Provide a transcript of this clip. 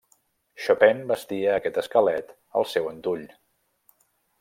Chopin vestia aquest esquelet al seu antull.